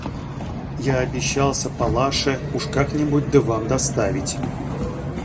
– Я обещался Палаше уж как-нибудь да вам доставить.